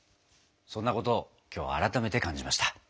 そんなことを今日改めて感じました。